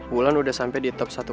bulan udah sampai di top satu